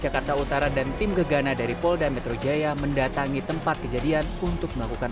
jakarta utara dan tim gegana dari polda metro jaya mendatangi tempat kejadian untuk melakukan